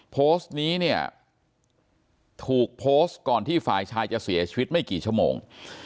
โพสต์นี้เนี่ยถูกโพสต์ก่อนที่ฝ่ายชายจะเสียชีวิตไม่กี่ชั่วโมง